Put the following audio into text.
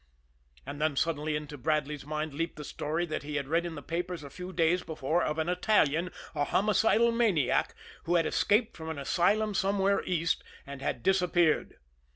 And then suddenly into Bradley's mind leaped the story that he had read in the papers a few days before of an Italian, a homicidal maniac, who had escaped from an asylum somewhere East, and had disappeared.